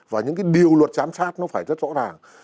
và những cái điều luật giám sát nó phải rất rõ ràng